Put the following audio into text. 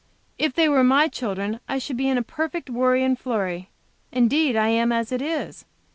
If they were my children, I should be in a perfect worry and flurry. Indeed, I am as it is.